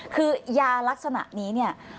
คือยารักษณะนี้